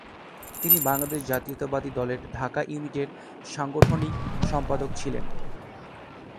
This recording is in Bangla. তিনি বাংলাদেশ জাতীয়তাবাদী দলের ঢাকা ইউনিটের সাংগঠনিক সম্পাদক ছিলেন।